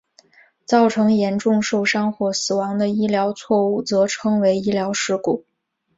造成严重受伤或死亡的医疗错误则称为医疗事故。